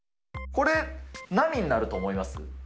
これ、何になると思います？